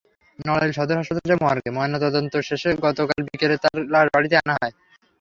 নড়াইল সদর হাসপাতালের মর্গে ময়নাতদন্ত শেষে গতকাল বিকেলে তাঁর লাশ বাড়িতে আনা হয়।